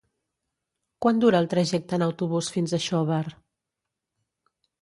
Quant dura el trajecte en autobús fins a Xóvar?